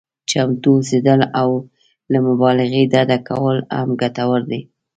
چمتو اوسېدل او له مبالغې ډډه کول هم ګټور دي.